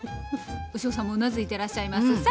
牛尾さんもうなずいていらっしゃいます。